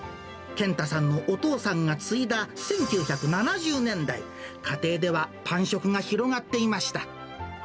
健太さんのお父さんが継いだ１９７０年代、家庭ではパン食が広がっていました。